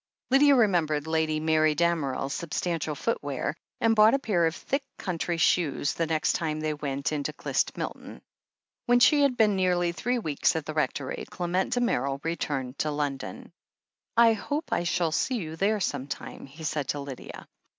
Lydia remembered Lady Mary Damerel's substantial footwear, and bought a pair of thick country shoes the next time that they went into Clyst Milton. When she had been nearly three weeks at the Rectory Clement Damerel returned to London. "I hope I shall see you there some time," he said to Lydia.